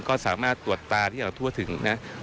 ก็สามารถตรวจตาที่เราทั่วถึงนะ